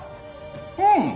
うん！